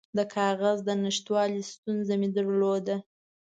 د کاغذ د نشتوالي ستونزه مې درلوده.